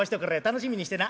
楽しみにしてな。